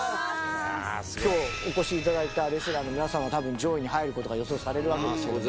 今日お越しいただいたレスラーの皆さんは多分上位に入る事が予想されるわけですけど。